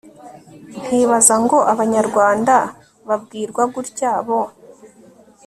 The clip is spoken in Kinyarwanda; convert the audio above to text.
nkibaza ngo abanyarwanda babwirwa gutya bo